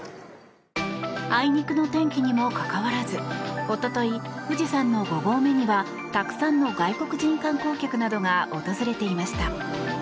あいにく天気にもかかわらずおととい、富士山の５合目にはたくさんの外国人観光客などが訪れていました。